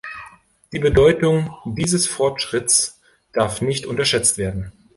Die Bedeutung dieses Fortschritts darf nicht unterschätzt werden.